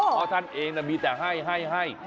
เพราะท่านเองมีแต่ให้ให้